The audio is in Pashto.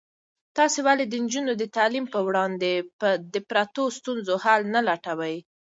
تاسې ولې د نجونو د تعلیم په وړاندې د پرتو ستونزو حل نه لټوئ؟